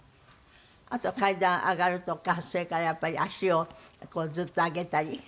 あとは階段上がるとかそれからやっぱり足をこうずっと上げたり。